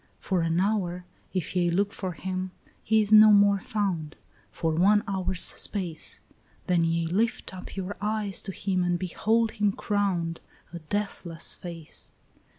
"For an hour, if ye look for him, he is no more found, For one hour's space; Then ye lift up your eyes to him and behold him crowned, A deathless face.